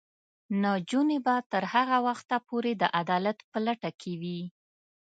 نجونې به تر هغه وخته پورې د عدالت په لټه کې وي.